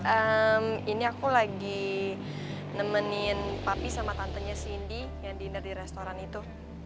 ehm ini aku lagi nemenin papi sama tantenya cindy yang dinner di restoran itu